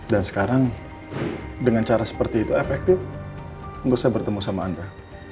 dan sekarang dengan cara seperti itu efektif untuk saya bertemu sama anda